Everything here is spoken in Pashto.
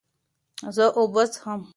زه اوبه څښم.